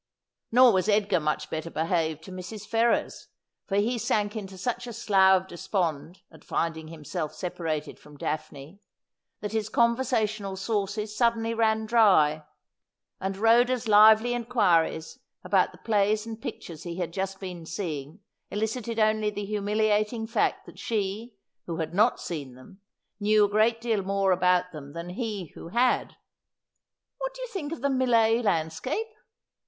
Nor was Edgar much better behaved to Mrs. Ferrers, for he sank into such a slough of despond at finding himself separated from Daphne, that his conversational sources ran suddenly dry, and Rhoda's lively inquiries about the plays and pictures he had just been seeing elicited only the humiliating fact that she, who had not seen them, knew a great deal more about them than he who had. ' What did you think of the Millais landscape